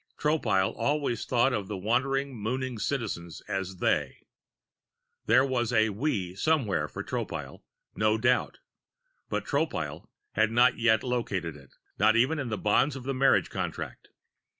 Tropile always thought of the wandering, mooning Citizens as they. There was a we somewhere for Tropile, no doubt, but Tropile had not as yet located it, not even in the bonds of the marriage contract.